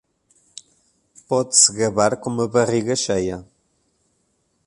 Pode se gabar com uma barriga cheia.